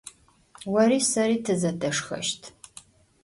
Vori seri tızedeşşxeşt.